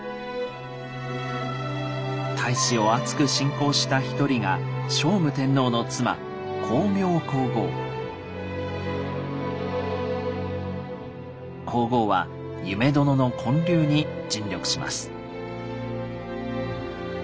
太子をあつく信仰した一人が聖武天皇の妻皇后は夢殿の建立に尽力します。